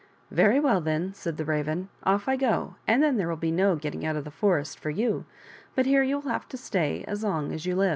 " Very well, then," said the Raven, " off I go, and then there will be no getting out of the forest for you, but here you will have to stay as long as you live."